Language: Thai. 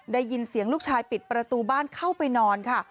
ได้ยินเสียงลูกชายปิดประตูบ้านเข้าไปนอนค่ะ